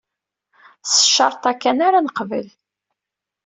S ccerṭ-a kan ara neqbbel.